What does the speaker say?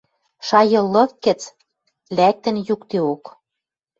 Шайыл лык гӹц лӓктӹн юкдеок.